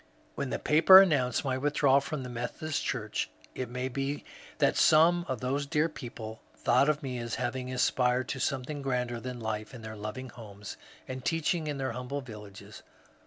When the papers announced my withdrawal from the Methodist Church, it may be that some of those dear people thought of me as having aspired to something grander than life in their loving homes and teaching in their humble vil lages.